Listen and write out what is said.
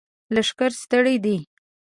لښکر ستړی دی!